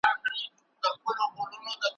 توبه د بنده او الله ترمنځ واټن کموي.